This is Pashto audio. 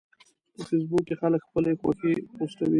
په فېسبوک کې خلک خپلې خوښې پوسټوي